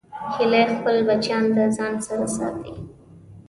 هیلۍ خپل بچیان د ځان سره ساتي